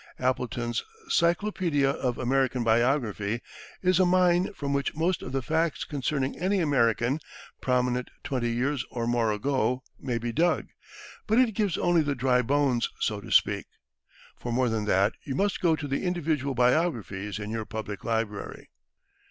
Appleton's "Cyclopedia of American Biography" is a mine from which most of the facts concerning any American, prominent twenty years or more ago, may be dug; but it gives only the dry bones, so to speak. For more than that you must go to the individual biographies in your public library.